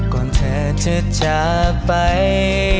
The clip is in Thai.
ก่อนเธอจะจากไป